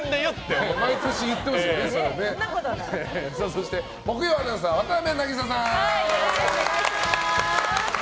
そして木曜アナウンサーは渡邊渚さん。